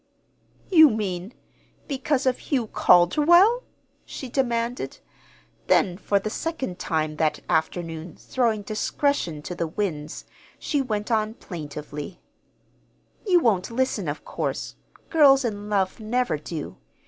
"You mean because of Hugh Calderwell?" she demanded. Then, for the second time that afternoon throwing discretion to the winds, she went on plaintively: "You won't listen, of course. Girls in love never do.